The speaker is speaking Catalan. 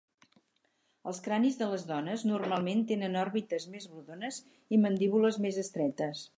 Els cranis de les dones normalment tenen òrbites més rodones i mandíbules més estretes.